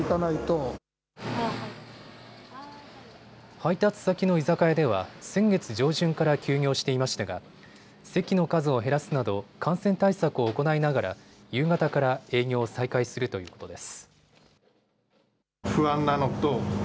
配達先の居酒屋では先月上旬から休業していましたが席の数を減らすなど感染対策を行いながら夕方から営業を再開するということです。